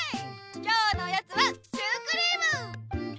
今日のおやつはシュークリーム！